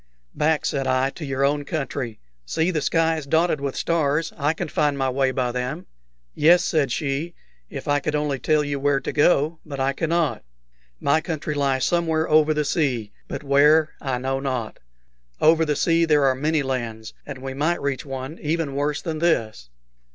"Back," said I, "to your own country. See, the sky is dotted with stars: I can find my way by them." "Yes," said she, "if I could only tell you where to go; but I cannot. My country lies somewhere over the sea, but where, I know not. Over the sea there are many lands, and we might reach one even worse than this."